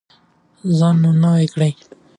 ځان نوی کړئ.